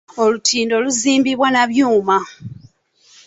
Olutindo luzimbibwa na byuma.